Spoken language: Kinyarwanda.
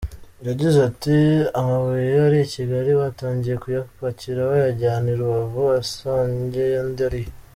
Yagize ati “amabuye ari i Kigali batangiye kuyapakira bayajyana i Rubavu, asangeyo andi ariyo.